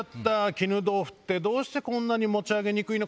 絹豆腐ってどうして持ち上げにくいの？」。